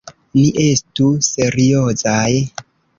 Ni estu seriozaj.